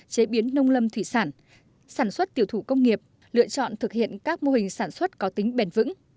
chế biến nông lâm thủy sản sản xuất tiểu thủ công nghiệp lựa chọn thực hiện các mô hình sản xuất có tính bền vững